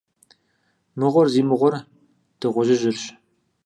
Мыгъуэр зи мыгъуэр Дыгъужьыжьырщ.